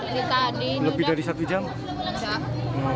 lebih dari satu jam